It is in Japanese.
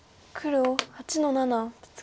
黒６の七。